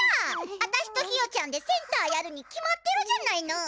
わたしとひよちゃんでセンターやるに決まってるじゃないの。